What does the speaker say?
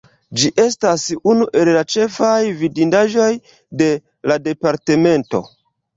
Ĝi estas unu el la ĉefaj vidindaĵoj de la departemento.